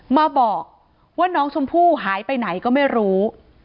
มาบอกว่าน้องชมพู่หายไปไหนก็ไม่รู้